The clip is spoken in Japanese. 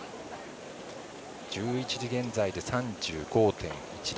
１１時現在で３５．１度。